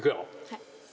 はい。